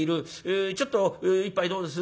「ちょっと一杯どうです」